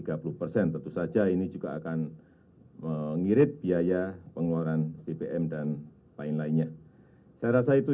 assalamu'alaikum warahmatullahi wabarakatuh